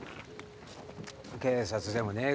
警察でもねえ